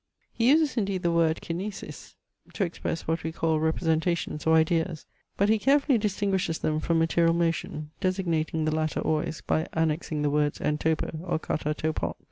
He uses indeed the word kinaeseis, to express what we call representations or ideas, but he carefully distinguishes them from material motion, designating the latter always by annexing the words en topo, or kata topon.